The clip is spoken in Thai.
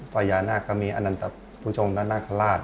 พญานาคก็มีอันดับภุชงนาคราช